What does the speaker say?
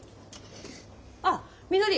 あっみのり